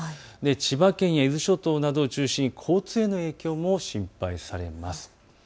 千葉県や伊豆諸島などを中心に交通への影響も心配されます。